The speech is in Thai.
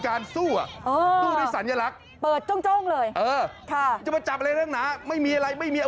มาเราก็ไม่ต้องใส่เลย